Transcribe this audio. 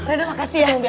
reno makasih ya